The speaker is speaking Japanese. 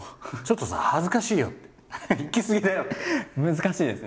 難しいですね。